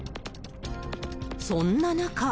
そんな中。